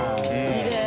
きれい。